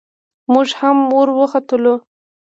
موږ هم ور وختلو.